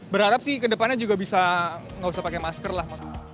berharap sih ke depannya juga bisa nggak usah pakai masker lah